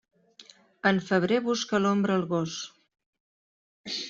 En febrer busca l'ombra el gos.